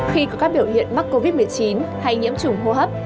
khi có các biểu hiện mắc covid một mươi chín hay nhiễm trùng hô hấp